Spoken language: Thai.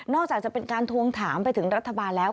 อกจากจะเป็นการทวงถามไปถึงรัฐบาลแล้ว